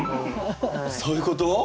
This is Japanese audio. そういうこと！？